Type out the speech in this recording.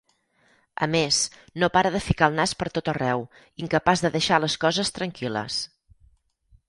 A més, no para de ficar el nas per tot arreu, incapaç de deixar les coses tranquil·les.